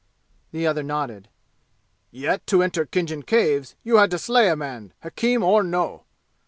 The other nodded. "Yet, to enter Khinjan Caves you had to slay a man, hakim or no!"